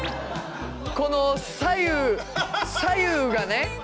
この左右左右がね。